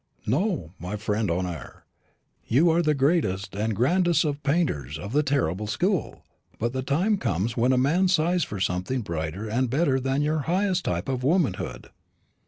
No, my friend Honoré, you are the greatest and grandest of painters of the terrible school; but the time comes when a man sighs for something brighter and better than your highest type of womanhood."